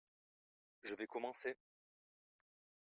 je vais commencer.